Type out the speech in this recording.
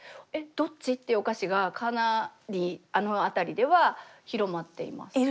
えっどっち？っていうお菓子がかなりあの辺りでは広まっています。